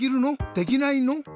できないの？